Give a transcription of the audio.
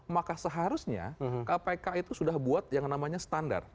maka seharusnya kpk itu sudah buat yang namanya standar